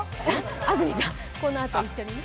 安住さん、このあと一緒にね。